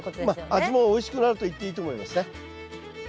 味もおいしくなるといっていいと思いますね。